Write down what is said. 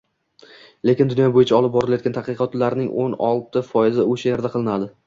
lekin dunyo boʻyicha olib borilayotgan tadqiqotlarning o'n olti foizi oʻsha yerda qilinadi.